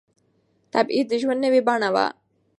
تبعيد د ژوند نوې بڼه وه.